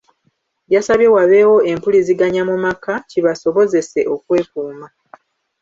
Yasabye wabeewo empuliziganya mu maka, kibasobozese okwekuuma.